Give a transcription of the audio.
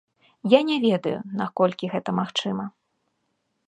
Я не ведаю, наколькі гэта магчыма.